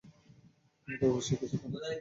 আমাদের অবশ্যই কিছু করা উচিৎ!